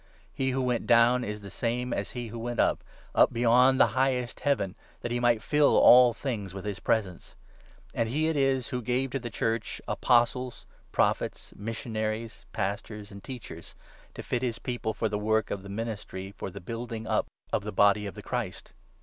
He who went down is the 10 same as he who went up — up beyond the highest Heaven, that he might fill all things with his presence. And he it is who n gave to the Church Apostles, Prophets, Missionaries, Pastors, and Teachers, to fit his People for the work of the ministry, 12 for the building up of the Body of the Christ.